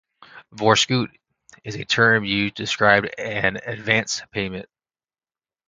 "Voorskot" is a term used to describe an advance payment.